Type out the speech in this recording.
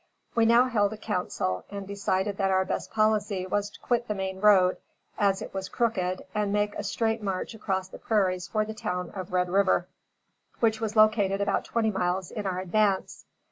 We now held a council, and decided that our best policy was to quit the main road, as it was crooked, and make a straight march across the prairies for the town of Red River, which was located about twenty miles in our advance.